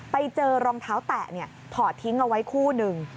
ไปเจอรองเท้าแตะถอดทิ้งเอาไว้คู่หนึ่ง